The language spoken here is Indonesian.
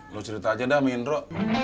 lo cerita aja dah sama indro